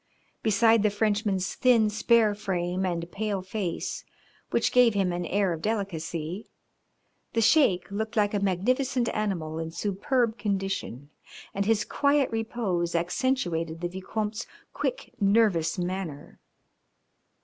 Beside the Frenchman's thin, spare frame and pale face, which gave him an air of delicacy, the Sheik looked like a magnificent animal in superb condition, and his quiet repose accentuated the Vicomte's quick, nervous manner.